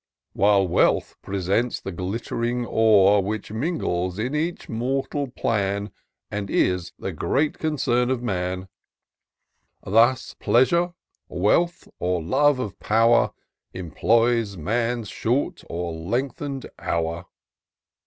While Wealth presents the glitt'ring ore. Which mingles in each mortal plan. And is the great concern of man : Thus Pleasure, Wealth, or love of pow'r, Employ man's short or lengthen'd hour.